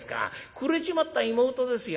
くれちまった妹ですよ。